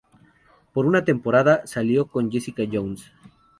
Por una temporada, salió con Jessica Jones.